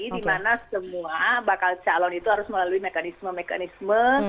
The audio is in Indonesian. dimana semua bakal calon itu harus melalui mekanisme mekanisme